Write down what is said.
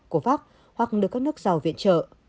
covax hoặc được các nước giàu viện trợ